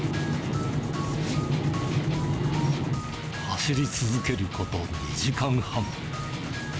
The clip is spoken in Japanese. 走り続けること２時間半。